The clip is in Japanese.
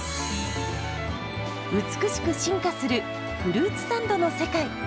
美しく進化するフルーツサンドの世界。